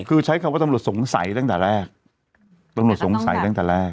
คือใช้คำว่าตำรวจสงสัยตั้งแต่แรกตำรวจสงสัยตั้งแต่แรก